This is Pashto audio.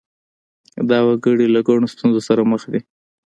دا وګړي له ګڼو ستونزو سره مخ دي.